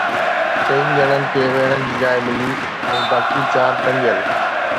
چئن ڄڻن کي ويهڻ جي جاءِ ملي ۽ باقي چار ٽنگيل.